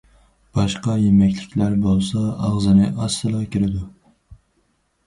باشقا يېمەكلىكلەر بولسا ئاغزىنى ئاچسىلا كىرىدۇ.